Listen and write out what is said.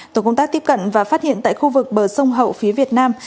tổ công tác tiếp cận và phát hiện tại khu vực bờ sông hậu phía việt nam